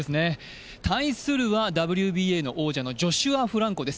対するはＷＢＡの王者のジョシュア・フランコです。